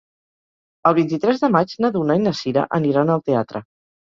El vint-i-tres de maig na Duna i na Sira aniran al teatre.